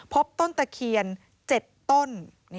พบต้นตะเคียน๗ต้น